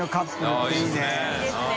◆舛いいですね。